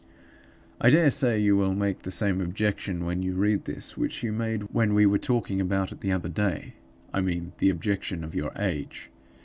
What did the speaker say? "I dare say you will make the same objection when you read this which you made when we were talking about it the other day; I mean the objection of your age.